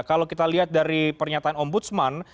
kalau kita lihat dari pernyataan ombudsman